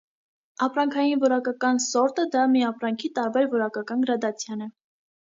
Ապրանքային որակական սորտը դա մի ապրանքի տարբեր որակական գրադացիան է։